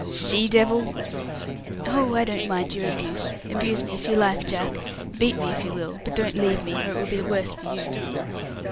"She devil!" "Oh, I don't mind your abuse. Abuse me if you like, Jack. Beat me if you will, but don't leave me, or it will be worse for you."